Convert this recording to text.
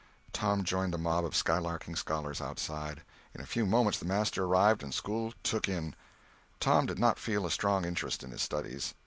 Tom joined the mob of skylarking scholars outside. In a few moments the master arrived and school "took in." Tom did not feel a strong interest in his studies.